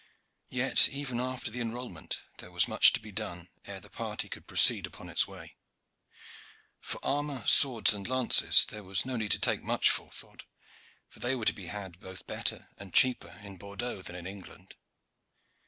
Yet, even after the enrolment, there was much to be done ere the party could proceed upon its way. For armor, swords, and lances, there was no need to take much forethought, for they were to be had both better and cheaper in Bordeaux than in England.